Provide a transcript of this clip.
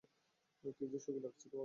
কিযে সুখী লাগছে তোমাকে!